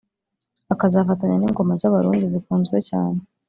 akazafatanya n’ingoma z’abarundi zikunzwe cyane